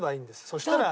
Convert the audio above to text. そしたら。